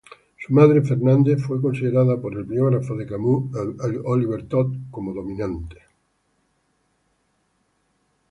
Su madre, Fernande, fue considerada por el biógrafo de Camus, Olivier Todd, como dominante.